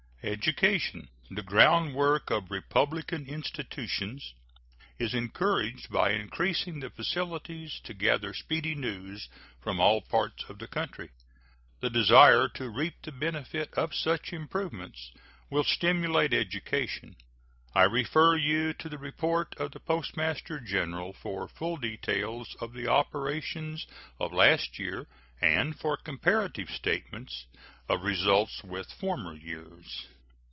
Education, the groundwork of republican institutions, is encouraged by increasing the facilities to gather speedy news from all parts of the country. The desire to reap the benefit of such improvements will stimulate education. I refer you to the report of the Postmaster General for full details of the operations of last year and for comparative statements of results with former years.